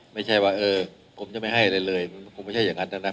ไม่ใช่ว่าเออผมจะไม่ให้อะไรเลยมันคงไม่ใช่อย่างนั้นนะครับ